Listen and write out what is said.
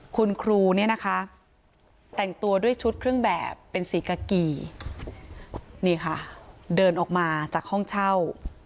คุณครูเนี่ยนะคะแต่งตัวด้วยชุดเครื่องแบบเป็นสีกากีนี่ค่ะเดินออกมาจากห้องเช่า